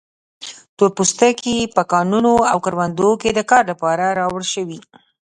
تور پوستکي په کانونو او کروندو کې د کار لپاره راوړل شوي.